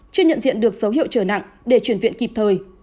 chưa nhận diện được dấu hiệu trở nặng để chuyển viện kịp thời